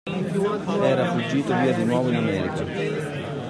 Era fuggito via di nuovo in America.